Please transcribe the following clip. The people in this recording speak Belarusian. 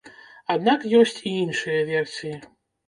Аднак ёсць і іншыя версіі.